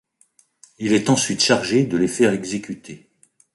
Il est ensuite chargé de les faire exécuter.